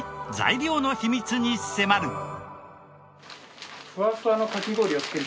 材料の秘密に迫る！